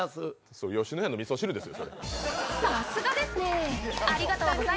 それ、吉野家のみそ汁ですよ。